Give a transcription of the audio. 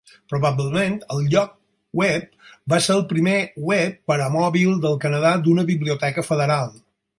Probablement el lloc web va ser el primer web per a mòbil del Canadà d'una biblioteca federal.